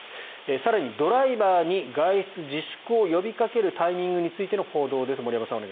更にドライバーに外出自粛を呼びかけるタイミングについての報道です。